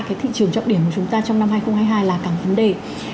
cái thị trường trọng điểm của chúng ta trong năm hai nghìn hai mươi hai là càng vấn đề